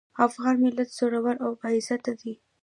افغان ملت زړور او باعزته دی.